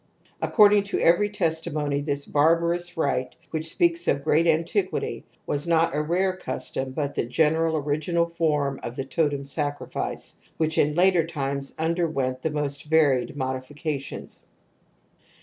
According to every testimony this barbarous rite, which i speaks of great antiquity, was not a rare custom ' but the general original form of the totem sacri INFANTILE RECURRENCE OF TOTEMISM 281 fice, which in later times underwent the most varied modifications.